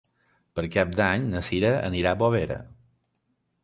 Per Cap d'Any na Sira anirà a Bovera.